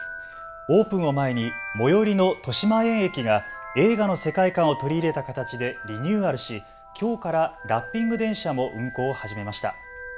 オープンを前に最寄りの豊島園駅が映画の世界観を取り入れた形でリニューアルしきょうからラッピング電車も運行を始めました。